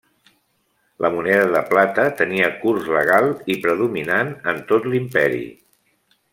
La moneda de plata tenia curs legal i predominant en tot l'Imperi.